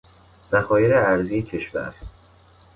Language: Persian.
ذخایر ارزی کشور